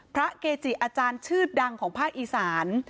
พระเกจิอาจารย์ชื่อดังของภาคอีสาน